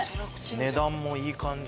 値段もいい感じ。